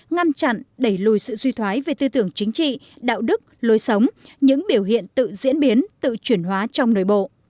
ngăn chặn đẩy lùi sự suy thoái về tư tưởng chính trị đạo đức lối sống những biểu hiện tự diễn biến tự chuyển hóa trong nội bộ